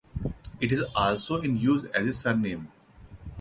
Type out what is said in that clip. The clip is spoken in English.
It is also in use as a surname.